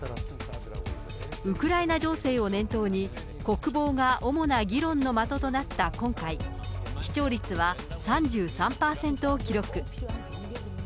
ウクライナ情勢を念頭に、国防が主な議論の的となった今回、視聴率は３３％を記録。